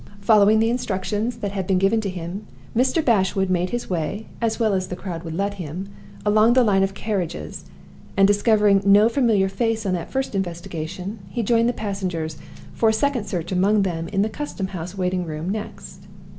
Following the instructions that had been given to him, Mr. Bashwood made his way, as well as the crowd would let him, along the line of carriages, and, discovering no familiar face on that first investigation, joined the passengers for a second search among them in the custom house waiting room next.